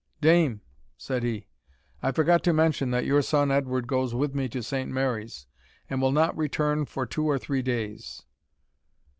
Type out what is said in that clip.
"Dame," said he, "I forgot to mention that your son Edward goes with me to Saint Mary's, and will not return for two or three days."